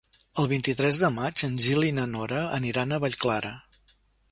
El vint-i-tres de maig en Gil i na Nora aniran a Vallclara.